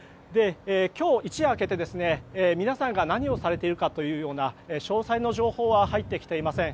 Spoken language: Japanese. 今日、一夜明けて皆さんが何をされているかという詳細な情報は入ってきていません。